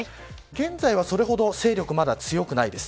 現在はそれほど勢力は強くないです。